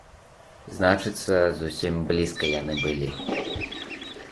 Значыцца, зусім блізка яны былі.